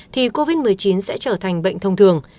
thì covid một mươi chín sẽ trở thành bệnh thông thường